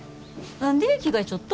何で着替えちょっと？